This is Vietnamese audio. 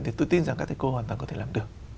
thì tôi tin rằng các thầy cô hoàn toàn có thể làm được